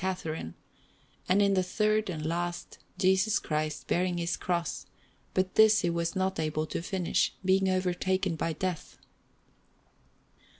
Catharine; and in the third and last Jesus Christ bearing His Cross, but this he was not able to finish, being overtaken by death.